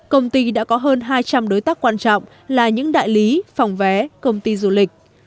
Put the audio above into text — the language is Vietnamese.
công ty đã có hơn hai trăm linh đối tác quan trọng là những đại lý phòng vé công ty du lịch